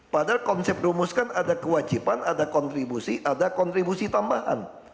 padahal konsep rumuskan ada kewajiban ada kontribusi ada kontribusi tambahan